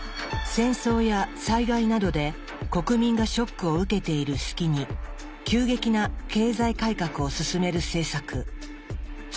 戦争や災害などで国民がショックを受けている隙に急激な経済改革を進める政策「ショック・ドクトリン」。